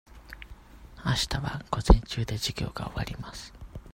あしたは午前中で授業が終わります。